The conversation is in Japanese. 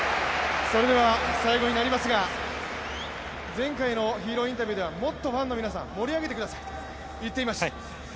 前回のヒーローインタビューではもっとファンの皆さん、盛り上げてくださいと言っていました。